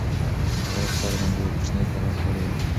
د غره په سر باندې یوه کوچنۍ کلا ښکارېده.